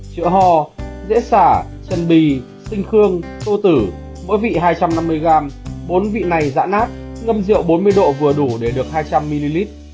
chữa ho dễ xả chân bì tinh khương tô tử mỗi vị hai trăm năm mươi gram bốn vị này dã nát ngâm rượu bốn mươi độ vừa đủ để được hai trăm linh ml